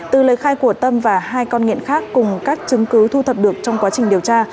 từ lời khai của tâm và hai con nghiện khác cùng các chứng cứ thu thập được trong quá trình điều tra